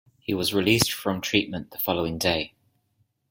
He was released from treatment the following day.